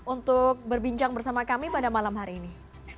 untuk berbincang bersama kami pada malam hari ini